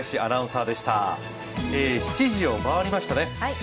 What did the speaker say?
７時を回りましたね。